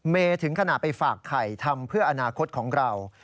ถึงขนาดไปฝากไข่ทำเพื่ออนาคตของเรา